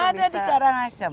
ada di karangasem